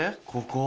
ここ？